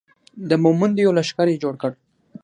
د مومندو یو لښکر یې جوړ کړ.